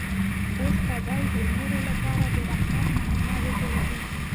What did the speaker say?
اوس به دی د نورو لپاره د رحمت نمونه وګرځي.